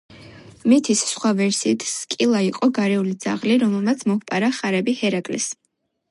მითის სხვა ვერსიით, სკილა იყო გარეული ძაღლი, რომელმაც მოჰპარა ხარები ჰერაკლეს.